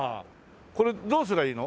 これどうすりゃいいの？